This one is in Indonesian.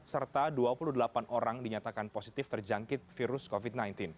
serta dua puluh delapan orang dinyatakan positif terjangkit virus covid sembilan belas